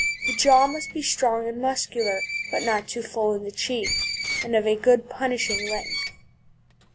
The jaw must be strong and muscular, but not too full in the cheek, and of a good punishing length.